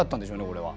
これは。